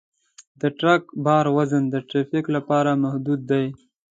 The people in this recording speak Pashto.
د ټرک بار وزن د ترافیک لپاره محدود دی.